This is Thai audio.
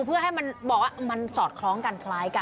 เพื่อให้มันบอกว่ามันสอดคล้องกันคล้ายกัน